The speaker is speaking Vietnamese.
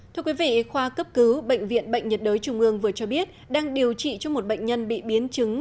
thưa quý vị khoa cấp cứu bệnh viện bệnh nhiệt đới trung ương vừa cho biết đang điều trị cho một bệnh nhân bị biến chứng